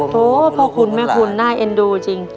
พ่อคุณแม่คุณน่าเอ็นดูจริง